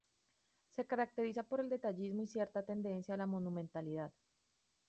Se caracteriza por el detallismo y cierta tendencia a la monumentalidad.